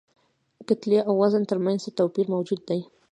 کتلې او وزن تر منځ څه توپیر موجود دی؟